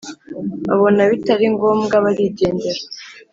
Babona bitaringombwa barigendera